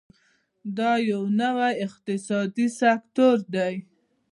دا یو نوی اقتصادي سکتور دی.